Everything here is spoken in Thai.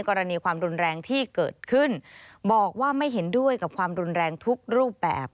กรณีความรุนแรงที่เกิดขึ้นบอกว่าไม่เห็นด้วยกับความรุนแรงทุกรูปแบบ